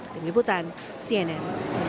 demi butan cnn